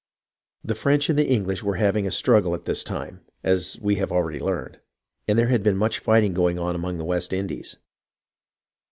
The French and the English were having a struggle at this time, as we have already learned ; and there had been much fighting going on among the West Indies.